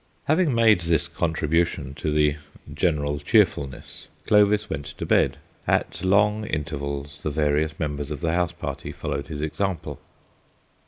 Having made this contribution to the general cheerfulness, Clovis went to bed. At long intervals the various members of the house party followed his example.